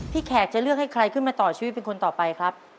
แขกจะเลือกให้ใครขึ้นมาต่อชีวิตเป็นคนต่อไปครับ